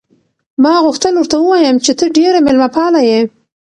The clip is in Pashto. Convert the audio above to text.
ما غوښتل ورته ووایم چې ته ډېره مېلمه پاله یې.